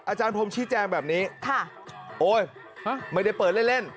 อาจารย์พรมชี้แจงแบบนี้โอ๊ยไม่ได้เปิดเล่น